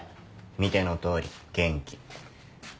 見てのとおり元気。